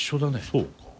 そうか。